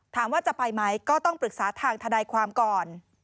ถามว่าจะไปไหมก็ต้องปรึกษาทางทนายความก่อน